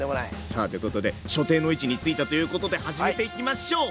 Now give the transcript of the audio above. さあということで所定の位置についたということで始めていきましょう！